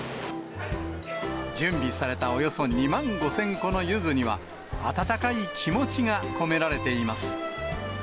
準備されたおよそ２万５０００個のゆずには、温かい気持ちが込められています。